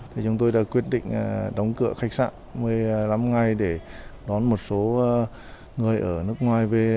thì chúng tôi đã quyết định đóng cửa khách sạn một mươi năm ngày để đón một số người ở nước ngoài về